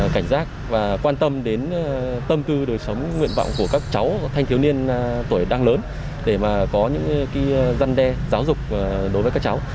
cảnh giác và quan tâm đến tâm tư đời sống nguyện vọng của các cháu thanh thiếu niên tuổi đang lớn để mà có những giăn đe giáo dục đối với các cháu